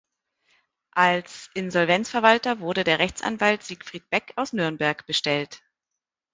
Als Insolvenzverwalter wurde der Rechtsanwalt Siegfried Beck aus Nürnberg bestellt.